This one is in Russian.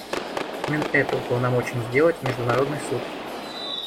Именно это уполномочен сделать Международный Суд.